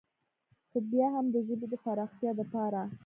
خو بيا هم د ژبې د فراختيا دپاره